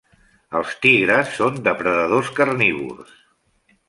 Els tigres són depredadors carnívors.